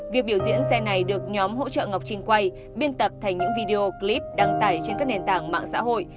việc biểu diễn xe này được nhóm hỗ trợ ngọc trinh quay biên tập thành những video clip đăng tải trên các nền tảng mạng xã hội